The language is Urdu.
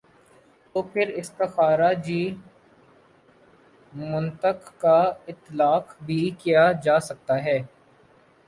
تو پھر استخراجی منطق کا اطلاق بھی کیا جا سکتا ہے۔